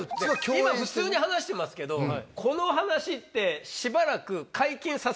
今普通に話してますけどこの話ってしばらく。